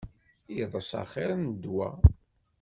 Iḍes axir n ddwa.